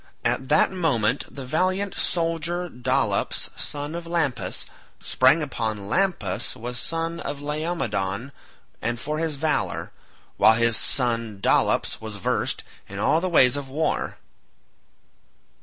At that moment the valiant soldier Dolops son of Lampus sprang upon Lampus was son of Laomedon and noted for his valour, while his son Dolops was versed in all the ways of war.